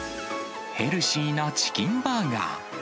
ヘルシーなチキンバーガー。